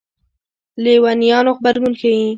لېونیانو غبرګون ښيي.